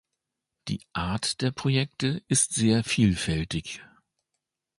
Die Art der Projekte ist sehr vielfältig.